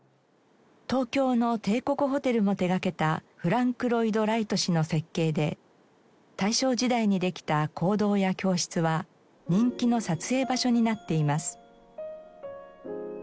東京の帝国ホテルも手掛けたフランク・ロイド・ライト氏の設計で大正時代にできた講堂や教室は人気の撮影場所になっています。